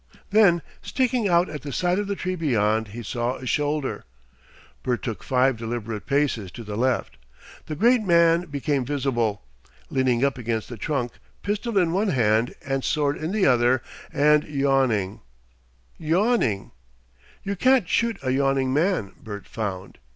Then, sticking out at the side of the tree beyond, he saw a shoulder. Bert took five deliberate paces to the left. The great man became visible, leaning up against the trunk, pistol in one hand and sword in the other, and yawning yawning. You can't shoot a yawning man Bert found.